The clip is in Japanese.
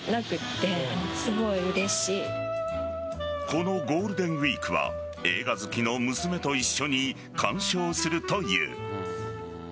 このゴールデンウイークは映画好きの娘と一緒に鑑賞するという。